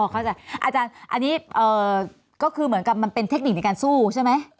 อาจารย์อันนี้ก็คือเหมือนกับมันเป็นเทคนิคในการสู้ใช่ไหม